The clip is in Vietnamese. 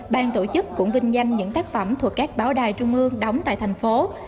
bang tổ chức cũng vinh danh những tác phẩm thuộc các báo đài trung mương đóng tại thành phố